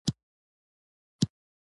زه وطن پرست انسان يم